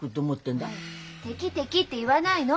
敵敵って言わないの！